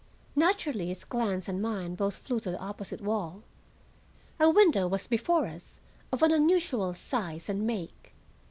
Naturally his glance and mine both flew to the opposite wall. A window was before us of an unusual size and make.